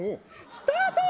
スタート。